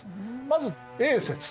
まずＡ説。